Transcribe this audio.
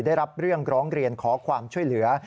ได้รับเรื่องร้องเรียนขอความช่วยเหลือ